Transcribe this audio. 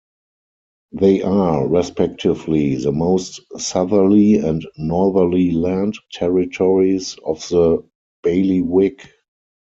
They are respectively the most southerly and northerly land territories of the Bailiwick.